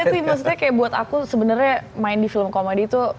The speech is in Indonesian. gak sih maksudnya kayak buat aku sebenernya main di film komedi tuh